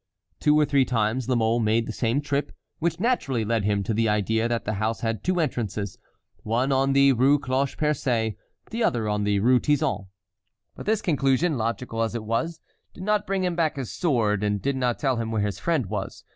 Two or three times La Mole made the same trip, which naturally led him to the idea that the house had two entrances, one on the Rue Cloche Percée, the other on the Rue Tizon. But this conclusion, logical as it was, did not bring him back his sword, and did not tell him where his friend was.